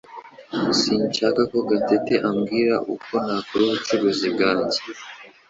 Sinshaka ko Gatete ambwira uko nakora ubucuruzi bwanjye